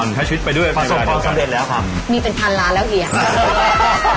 มีเป็นพันล้านแล้วเหรียะ